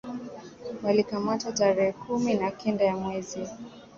walikamatwa tarehe kumi na kenda ya mwezi